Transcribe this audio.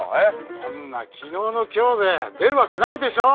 そんな昨日の今日で出るわけないでしょう。